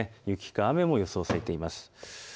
雪か雨が予想されています。